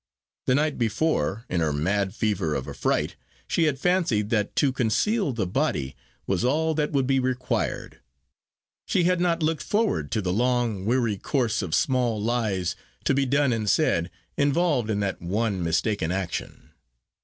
The night before, in her mad fever of affright, she had fancied that to conceal the body was all that would be required; she had not looked forward to the long, weary course of small lies, to be done and said, involved in that one mistaken action.